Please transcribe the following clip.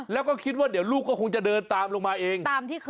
แล้วก็คิดว่าเดี๋ยวลูกก็คงจะเดินตามลงมาเอง